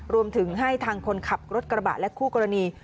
รวมถึงให้ทางคนขับรถกระบะและคู่กรณี